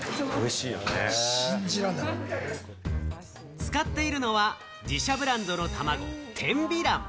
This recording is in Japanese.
使っているのは自社ブランドのたまご・天美卵。